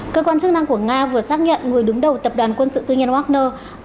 cơ quan chức năng của nga vừa xác nhận người đứng đầu tập đoàn quân sự tư nhân wagner